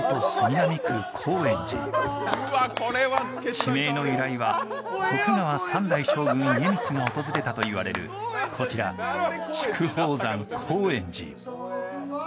地名の由来は徳川三代将軍・家光が訪れたと言われるこちら、宿鳳山高円寺。